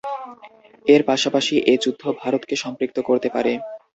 এর পাশাপাশি এ যুদ্ধ ভারতকে সম্পৃক্ত করতে পারে।